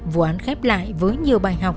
vụ án khép lại với nhiều bài học